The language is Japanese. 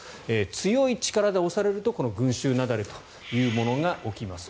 強い力で押されると群衆雪崩というものが起きます。